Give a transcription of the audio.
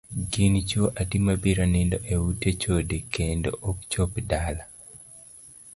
Gin chuo adi mabiro nindo e ute chode kendo ok chop dala?